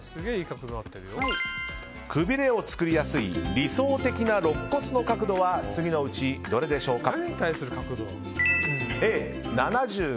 くびれを作りやすい理想的なろっ骨の角度は次のうち、どれでしょうか？